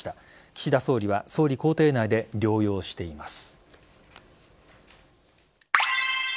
岸田総理は総理公邸内で療養しています。